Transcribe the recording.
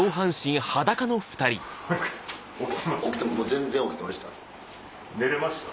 全然起きてました。